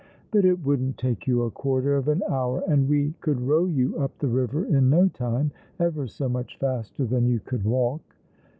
" But it wouldn't take you a quarter of an hour, and we could row you up the river in no time — ever so much faster than you could walk."